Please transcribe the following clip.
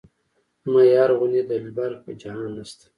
زما یار غوندې دلبر په جهان نشته.